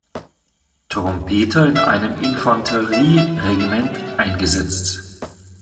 Trompeter in einem Infanterieregiment eingesetzt.